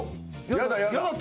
やだやだ。